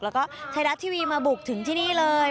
แล้วก็ไทยรัฐทีวีมาบุกถึงที่นี่เลย